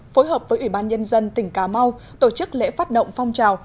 phối hợp với ủy ban nhân dân tỉnh cà mau tổ chức lễ phát động phong trào